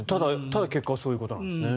ただ結果はそういうことですね。